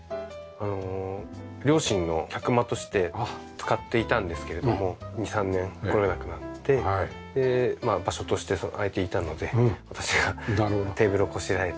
あの両親の客間として使っていたんですけれども２３年来れなくなって場所として空いていたので私がテーブルをこしらえて。